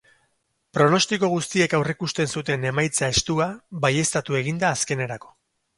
Pronostiko guztiek aurreikusten zuten emaitza estua baieztatu egin da azkenerako.